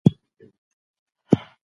د ونو ساتنه د ژوند لپاره مهمه ده.